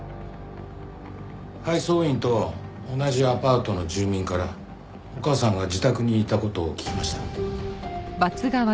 配送員と同じアパートの住人からお母さんが自宅にいた事を聞きました。